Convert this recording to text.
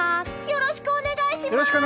よろしくお願いします！